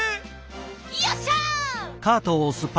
よっしゃ！